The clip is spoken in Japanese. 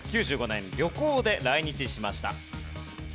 ９５年旅行で来日しました。